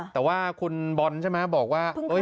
แต่ว่าคุณบอลใช่ไหมบอกว่า